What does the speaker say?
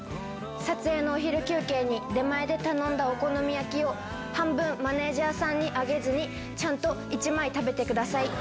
撮影のお昼休憩に出前で頼んだお好み焼きを、半分、マネージャーさんにあげずに、ちゃんと１枚食べてください。